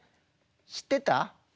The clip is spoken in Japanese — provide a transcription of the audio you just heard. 知ってた？